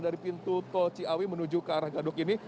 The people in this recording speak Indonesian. dari pintu tol ciawi menuju ke arah gadok ini